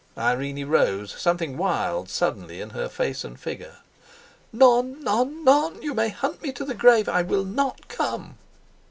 Irene rose, something wild suddenly in her face and figure. "None! None! None! You may hunt me to the grave. I will not come."